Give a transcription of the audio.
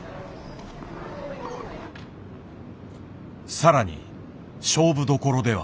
更に勝負どころでは。